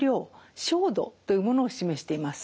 照度というものを示しています。